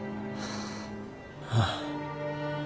ああ。